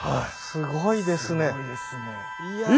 すごいですね。